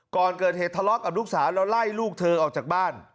ก่อนเกิดเหตุทะเลาะกับลูกสาวแล้วไล่ลูกเธอออกจากบ้าน